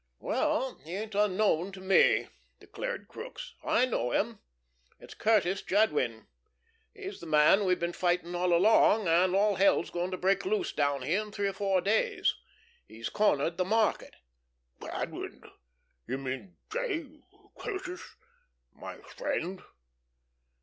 "Well, he ain't Unknown to me," declared Crookes. "I know him. It's Curtis Jadwin. He's the man we've been fighting all along, and all hell's going to break loose down here in three or four days. He's cornered the market." "Jadwin! You mean J. Curtis my friend?"